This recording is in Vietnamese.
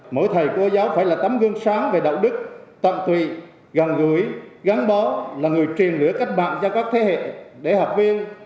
mỗi thầy cô giáo phải là tấm gương sáng về đạo đức tận tụy gần gũi gắn bó là người truyền lửa cách mạng cho các thế hệ để học viên